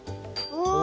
お。